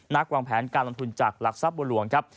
วางแผนการลงทุนจากหลักทรัพย์บัวหลวงครับ